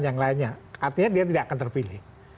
yang lainnya artinya dia tidak akan terpilih